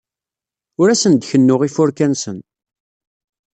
Ur asen-d-kennuɣ ifurka-nsen.